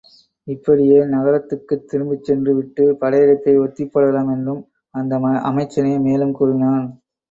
இப்படியே நகரத்துக்குத் திரும்பிச் சென்று விட்டுப் படையெடுப்பை ஒத்திப் போடலாம் என்றும் அந்த அமைச்சனே மேலும் கூறினான்.